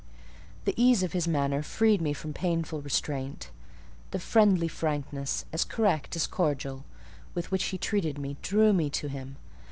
The ease of his manner freed me from painful restraint: the friendly frankness, as correct as cordial, with which he treated me, drew me to him.